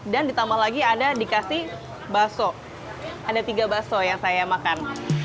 dan ditambah lagi dikasih bakso ada tiga bakso yang saya makan